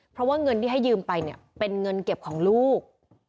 เพราะว่าเงินที่ให้ยืมไปเนี่ยเป็นเงินเก็บของลูก